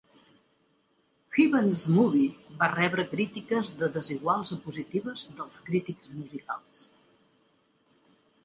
Heaven'z Movie va rebre crítiques de desiguals a positives dels crítics musicals.